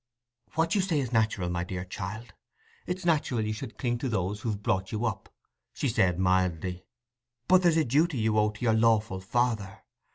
"What you say is natural, my dear child—it's natural you should cling to those who've brought you up," she said, mildly; "but there's a duty you owe to your lawful father.